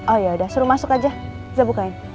oh yaudah suruh masuk aja saya bukain